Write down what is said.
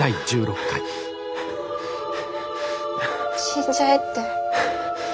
死んじゃえって。